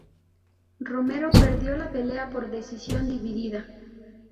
Romero perdió la pelea por decisión dividida.